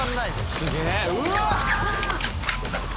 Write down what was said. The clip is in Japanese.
すげえ！